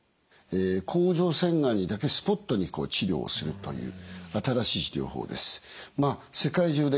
甲状腺がんにだけスポットに治療をするという新しい治療法です。